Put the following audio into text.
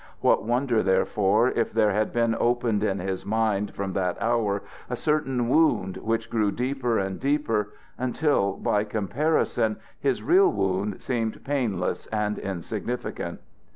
What wonder, therefore, if there had been opened in his mind from that hour a certain wound which grew deeper and deeper, until, by comparison, his real wound seemed painless and insignificant.